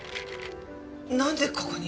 なんでここに？